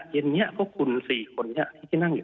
เย็นนี้พวกคุณสี่คนที่คนนั่งอยู่